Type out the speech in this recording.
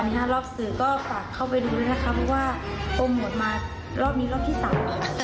รอบสื่อก็ฝากเข้าไปดูนะคะเพราะว่าโปรโมทมารอบนี้รอบที่สามค่ะ